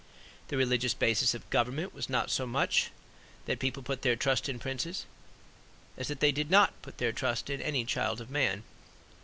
The religious basis of government was not so much that people put their trust in princes, as that they did not put their trust in any child of man.